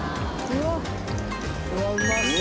「うわうまそう！」